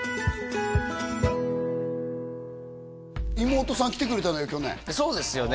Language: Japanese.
妹さん来てくれたのよ